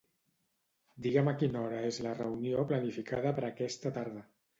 Digue'm a quina hora és la reunió planificada per aquesta tarda.